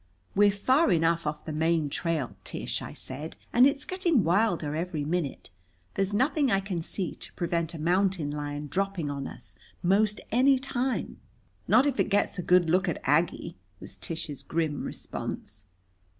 "We're far enough off the main trail, Tish," I said. "And it's getting wilder every minute. There's nothing I can see to prevent a mountain lion dropping on us most any time." "Not if it gets a good look at Aggie!" was Tish's grim response.